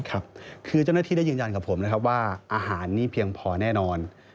คือเจ้าหน้าที่ได้ยืนยันกับผมนะครับว่าอาหารนี่เพียงพอแน่นอน